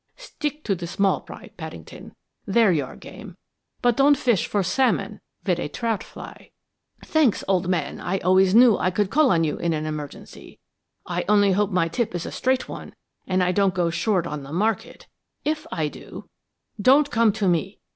Stick to the small fry, Paddington. They're your game, but don't fish for salmon with a trout fly.' "'Thanks, old man. I always knew I could call on you in an emergency. I only hope my tip is a straight one and I don't go short on the market. If I do ' "'Don't come to me!